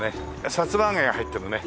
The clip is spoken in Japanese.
さつま揚げが入ってるね。